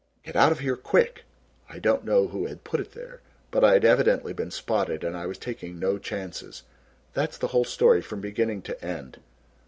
"'Get out of here quick' I don't know who had put it there, but I'd evidently been spotted and I was taking no chances. That's the whole story from beginning to end.